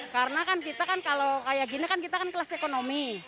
karena kan kita kan kalau kayak gini kan kita kan kelas ekonomi